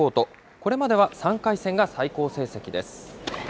これまでは３回戦が最高成績です。